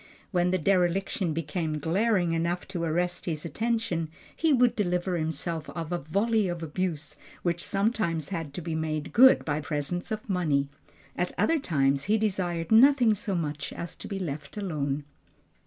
When the dereliction became glaring enough to arrest his attention, he would deliver himself of a volley of abuse which sometimes had to be made good by presents of money. At other times, he desired nothing so much as to be left alone.